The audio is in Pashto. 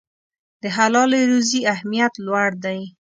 د حلالې روزي اهمیت لوړ دی.